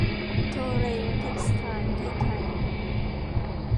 โทเร เท็กซ์ไทล์ ประเทศไทย